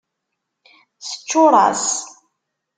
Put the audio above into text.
Teččuṛ-as.